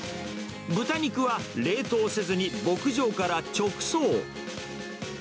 豚肉は冷凍せずに牧場から直送。